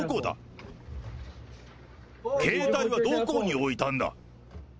携帯はどこに置いたんだ。